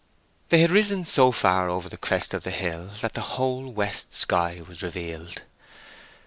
They had risen so far over the crest of the hill that the whole west sky was revealed.